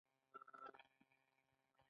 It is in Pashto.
مالکانو کولی شول چې هغوی له ځمکو سره وپلوري.